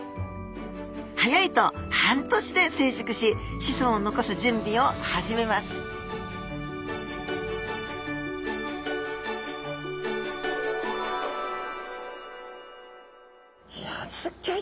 早いと半年で成熟し子孫を残す準備を始めますいやあすギョい